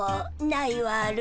ないわる。